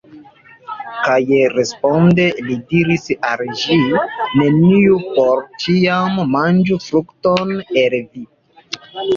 Kaj responde li diris al ĝi: Neniu por ĉiam manĝu frukton el vi.